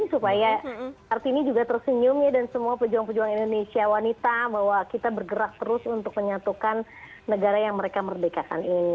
supaya kartini juga tersenyum ya dan semua pejuang pejuang indonesia wanita bahwa kita bergerak terus untuk menyatukan negara yang mereka merdekakan ini